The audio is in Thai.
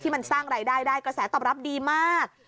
มันสร้างรายได้ได้กระแสตอบรับดีมาก